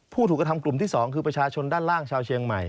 ผู้ถูกกระทำกลุ่มที่๒คือประชาชนด้านล่างชาวเชียงใหม่